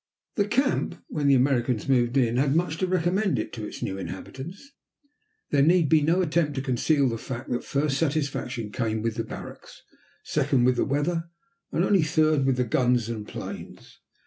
The camp, when the Americans moved in, had much to recommend it to its new inhabitants. There need be no attempt to conceal the fact that first satisfaction came with the barracks, second with the weather, and only third with the guns and planes.